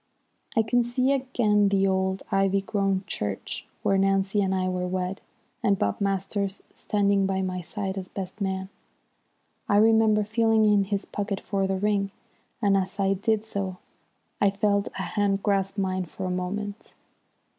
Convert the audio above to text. I can see again the old, ivy grown church where Nancy and I were wed, and Bob Masters standing by my side as best man. I remember feeling in his pocket for the ring, and as I did so, I felt a hand grasp mine for a moment.